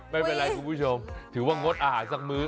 ไม่เป็นไรคุณผู้ชมถือว่างดอาหารสักมื้อ